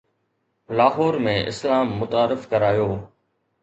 لاهور ۾ اسلام متعارف ڪرايو